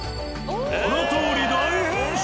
このとおり大変身！